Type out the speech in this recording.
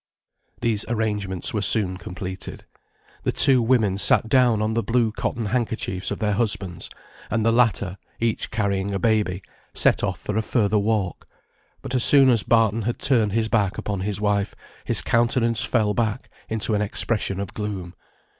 ] These arrangements were soon completed: the two women sat down on the blue cotton handkerchiefs of their husbands, and the latter, each carrying a baby, set off for a further walk; but as soon as Barton had turned his back upon his wife, his countenance fell back into an expression of gloom.